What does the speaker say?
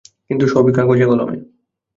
কিন্তু সবই কাগজে কলমে।